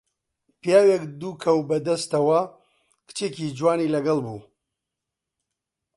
پیاوێک دوو کەو بە دەستەوە، کچێکی زۆر جوانی لەگەڵ بوو